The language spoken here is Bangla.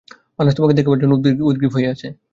মানুষ তোমাকে দেখার জন্য উদগ্রীব।